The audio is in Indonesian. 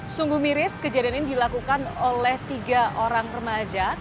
sungguh miris kejadian ini dilakukan oleh tiga orang remaja